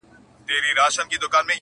يو په بل يې ښخول تېره غاښونه؛